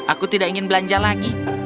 aku tidak ingin belanja lagi